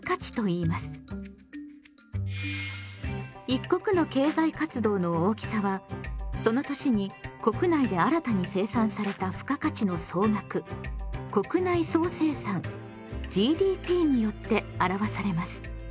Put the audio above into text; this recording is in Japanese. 一国の経済活動の大きさはその年に国内で新たに生産された付加価値の総額国内総生産・ＧＤＰによって表されます。